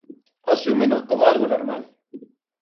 Asúmeno como algo normal.